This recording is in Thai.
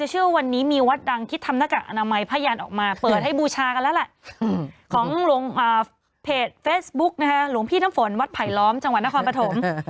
หลวงพี่น้ำฝนจังหวัดนครปฐม